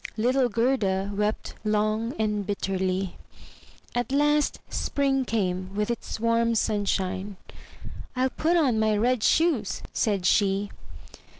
Little Gerda wept long and bitterly. At last spring came with its warm sunshine. "FU put on my red shoes," said she.